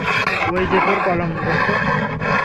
ওই যে তোর কলম, দোস্ত।